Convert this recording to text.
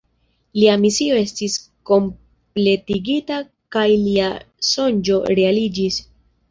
Lia misio estis kompletigita kaj lia sonĝo realiĝis.